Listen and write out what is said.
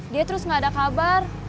dia terus gak ada kabar